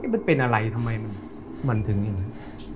มันเป็นอะไรทำไมมันถึงอย่างนั้น